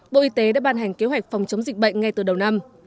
bộ y tế đã ban hành kế hoạch phòng chống dịch bệnh ngay từ đầu năm